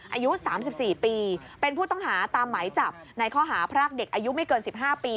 อายุ๓๔ปีเป็นผู้ต้องหาตามหมายจับในข้อหาพรากเด็กอายุไม่เกิน๑๕ปี